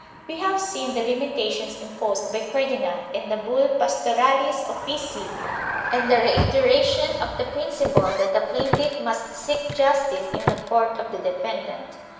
1 We have seen the limitations imposed by Ferdinand and the bull Pastoralis officii and the reiteration of the principle that the plaintiff must seek justice in the court of the defendant.